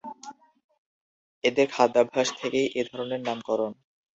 এদের খাদ্যাভ্যাস থেকেই এ ধরনের নামকরণ।